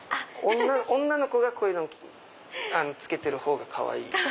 女の子がこういうのつけてるほうがかわいい。